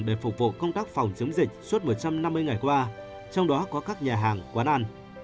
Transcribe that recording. để phục vụ công tác phòng chống dịch suốt một trăm năm mươi ngày qua trong đó có các nhà hàng quán ăn